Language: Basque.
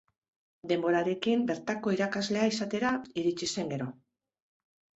Denborarekin bertako irakaslea izatera iritsi zen gero.